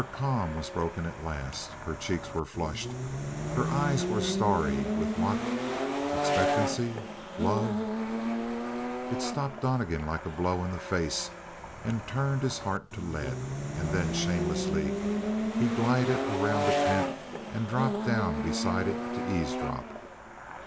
Her calm was broken at last. Her cheeks were flushed; her eyes were starry with what? Expectancy? Love? It stopped Donnegan like a blow in the face and turned his heart to lead; and then, shamelessly, he glided around the tent and dropped down beside it to eavesdrop.